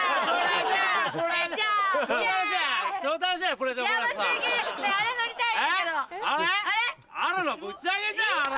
あんなのぶち上げじゃんあれ！